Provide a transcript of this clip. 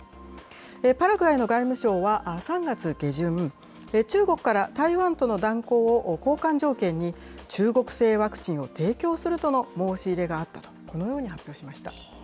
パラグアイの外務省は、３月下旬、中国から台湾との断交を交換条件に、中国製ワクチンを提供するとの申し入れがあったと、このように発表しました。